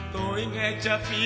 tôi nghe cha pi